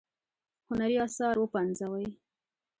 هنري آثار وپنځوي.